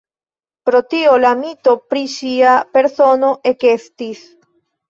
Pro tio la mito pri ŝia persono ekestis.